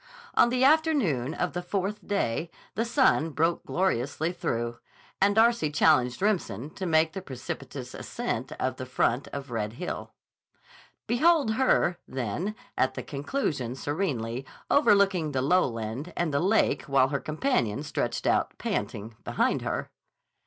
On the afternoon of the fourth day the sun broke gloriously through, and Darcy challenged Remsen to make the precipitous ascent of the front of Red Hill. Behold her, then, at the conclusion serenely overlooking the lowland and the lake while her companion stretched out panting behind her.